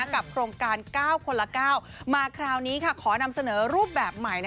โครงการ๙คนละ๙มาคราวนี้ขอนำเสนอรูปแบบใหม่